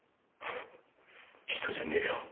人じゃねえよ。